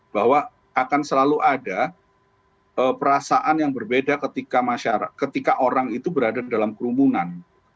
bahwa akan selalu ada perasaan yang berbeda ketika orang itu berada dalam kerumunan